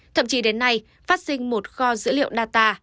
thậm chí đến nay phát sinh một kho dữ liệu data